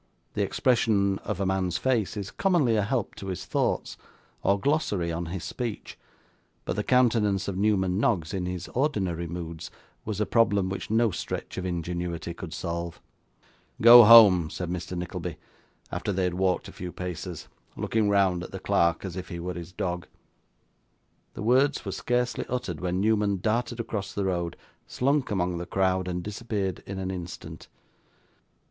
The expression of a man's face is commonly a help to his thoughts, or glossary on his speech; but the countenance of Newman Noggs, in his ordinary moods, was a problem which no stretch of ingenuity could solve. 'Go home!' said Mr. Nickleby, after they had walked a few paces: looking round at the clerk as if he were his dog. The words were scarcely uttered when Newman darted across the road, slunk among the crowd, and disappeared in an instant.